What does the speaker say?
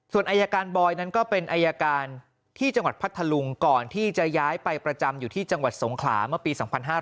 ส่วนอายการบอยนั้นก็เป็นอายการที่จังหวัดพัทธลุงก่อนที่จะย้ายไปประจำอยู่ที่จังหวัดสงขลาเมื่อปี๒๕๕๙